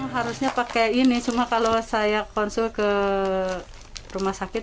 harusnya pakai ini cuma kalau saya konsul ke rumah sakit